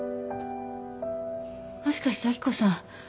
もしかして明子さん。